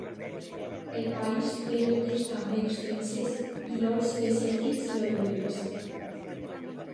El país té vinyes també extenses i horts de cítrics i oliveres.